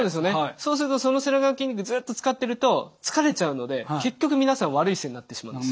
そうするとその背中の筋肉ずっと使ってると疲れちゃうので結局皆さん悪い姿勢になってしまうんですよ。